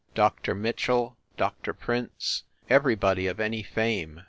Dr. Mitchell, Dr. Prince everybody of any fame.